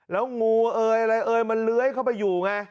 แล้วงูอะไรมันเล้ยเข้าไปอยู่ไง